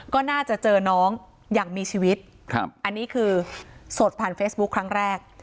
ก็น่าจะเจอน้องอย่างมีชีวิตครับอันนี้คือสดผ่านเฟซบุ๊คครั้งแรก